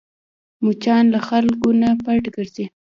مچان له خلکو نه پټ ګرځي